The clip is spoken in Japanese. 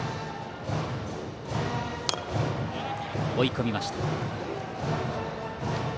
追い込みました。